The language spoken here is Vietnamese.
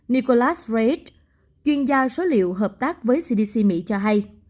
nicholas reich chuyên gia số liệu hợp tác với cdc mỹ cho hay